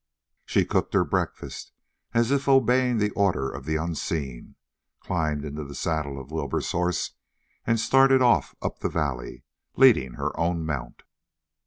She cooked her breakfast as if obeying the order of the unseen, climbed into the saddle of Wilbur's horse, and started off up the valley, leading her own mount.